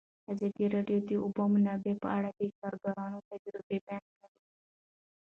ازادي راډیو د د اوبو منابع په اړه د کارګرانو تجربې بیان کړي.